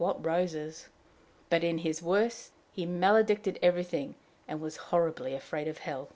what roses! but, in his worse, he maledicted everything, and was horribly afraid of hell.